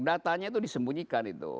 datanya tuh disembunyikan itu